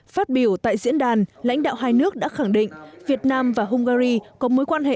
phát biểu tại diễn đàn lãnh đạo hai nước đã khẳng định việt nam và hungary có mối quan hệ